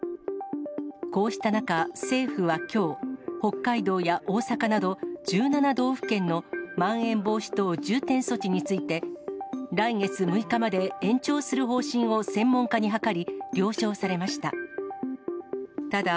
こうした中、政府はきょう、北海道や大阪など、１７道府県のまん延防止等重点措置について、来月６日まで延長する方針を専門家に諮り、了承されました。